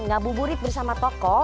ngabuburit bersama tokoh